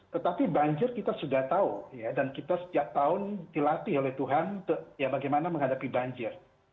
tetapi banjir kita sudah tahu dan kita setiap tahun dilatih oleh tuhan ya bagaimana menghadapi banjir